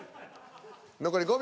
残り５秒。